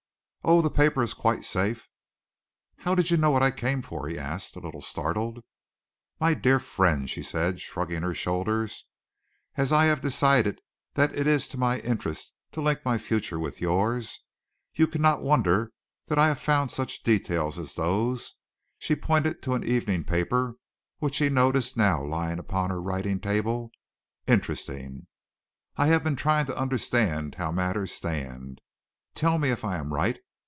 "Oh, the paper is quite safe." "How did you know what I came for?" he asked, a little startled. "My dear friend," she said, shrugging her shoulders, "as I have decided that it is to my interests to link my future with yours, you cannot wonder that I have found such details as those" she pointed to an evening paper which he noticed now lying upon her writing table "interesting. I have been trying to understand how matters stand. Tell me if I am right!